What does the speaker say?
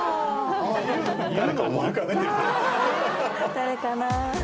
誰かな？